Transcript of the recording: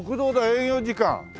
「営業時間」